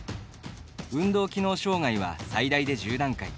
運動機能障がいは最大で１０段階。